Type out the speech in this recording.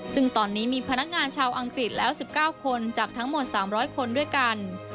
ซึ่งตอนนี้มีพนักงานชาวอังกฤษแล้ว๑๙คนจากทั้งหมด๓๐๐คนด้วยกัน